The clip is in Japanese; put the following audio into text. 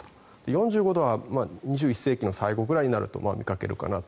４５度は２１世紀の最後ぐらいになると見かけるかなと。